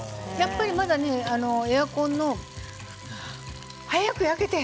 やっぱりまだエアコンの早く焼けて。